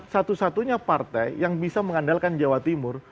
satu satunya partai yang bisa mengandalkan jawa timur